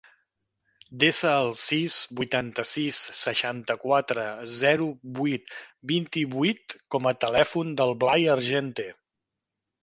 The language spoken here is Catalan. Desa el sis, vuitanta-sis, seixanta-quatre, zero, vuit, vint-i-vuit com a telèfon del Blai Argente.